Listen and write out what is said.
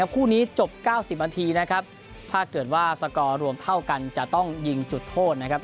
คู่นี้จบ๙๐นาทีนะครับถ้าเกิดว่าสกอร์รวมเท่ากันจะต้องยิงจุดโทษนะครับ